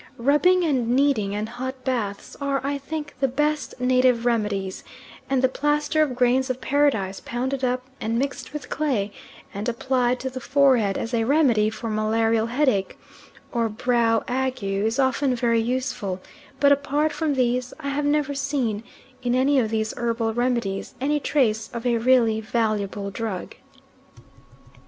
Rubbing and kneading and hot baths are, I think, the best native remedies, and the plaster of grains of paradise pounded up, and mixed with clay, and applied to the forehead as a remedy for malarial headache, or brow ague, is often very useful, but apart from these, I have never seen, in any of these herbal remedies, any trace of a really valuable drug.